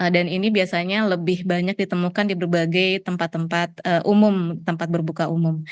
dan ini biasanya lebih banyak ditemukan di berbagai tempat tempat umum tempat berbuka umum